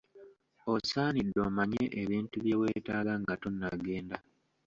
Osaanidde omanye ebintu bye weetaaga nga tonnagenda.